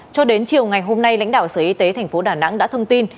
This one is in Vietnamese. cho đến chiều ngày hôm nay lãnh đạo sở y tế tp đà nẵng đã thông tin